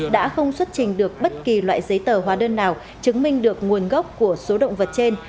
đã không xuất trình được bất kỳ loại giấy tờ hóa đơn nào chứng minh được nguồn gốc của số động vật trên